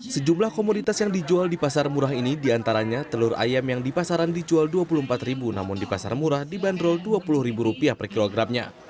sejumlah komoditas yang dijual di pasar murah ini diantaranya telur ayam yang di pasaran dijual rp dua puluh empat namun di pasar murah dibanderol rp dua puluh per kilogramnya